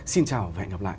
xin chào và hẹn gặp lại